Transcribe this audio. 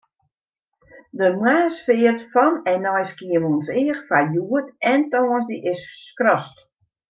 De moarnsfeart fan en nei Skiermûntseach foar hjoed en tongersdei is skrast.